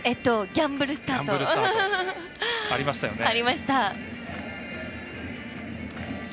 ギャンブルスタート！ありましたよね。